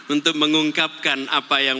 untuk mengungkapkan apa yang